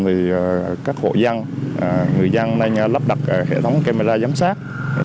thì các hộ dân người dân nên lắp đặt hệ thống camera giám sát